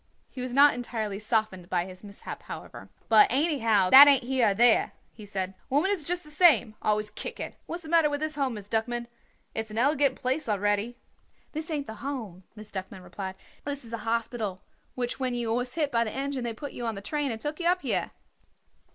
He was not entirely softened by his mishap, however. "But, anyhow, that ain't here or there," he said. "Women is just the same always kicking. What is the matter with this Home, Miss Duckman? It's an elegant place already." "This ain't the Home," Miss Duckman explained. "This is a hospital, which when you was hit by the engine they put you on the train and took you up here."